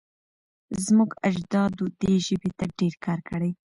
زموږ اجدادو دې ژبې ته ډېر کار کړی.